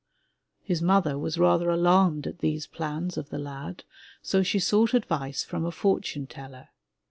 His mother was rather alarmed at these plans of the lad, so she sought advice from a fortune teller.